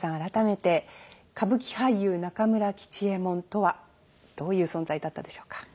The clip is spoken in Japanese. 改めて歌舞伎俳優中村吉右衛門とはどういう存在だったでしょうか。